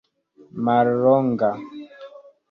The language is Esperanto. mallonga